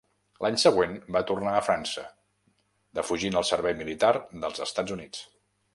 L'any següent va tornar a França, defugint el servei militar dels Estats Units.